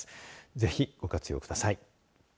ぜひ、ご活用ください。